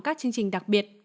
các chương trình đặc biệt